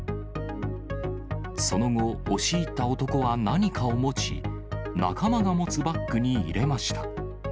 その後、押し入った男は何かを持ち、仲間が持つバッグに入れました。